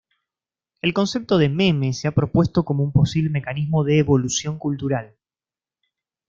El concepto de meme se ha propuesto como un posible mecanismo de evolución cultural.